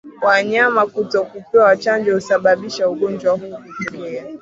Wanyama kutokupewa chanjo husababisha ugonjwa huu kutokea